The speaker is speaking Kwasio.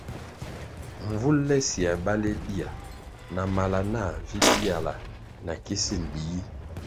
Mvul le siē baleh dia na mala nah vi biala na kisin biyi.